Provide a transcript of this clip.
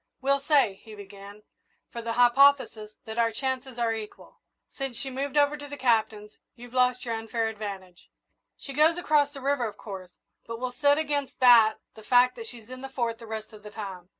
"We'll say," he began, "for the hypothesis, that our chances are equal. Since she moved over to the Captain's you've lost your unfair advantage. She goes across the river, of course, but we'll set against that the fact that she's in the Fort the rest of the time.